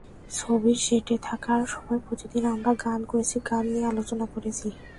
ছবির সেটে থাকার সময় প্রতিদিন আমরা গান করেছি, গান নিয়ে আলোচনা করেছি।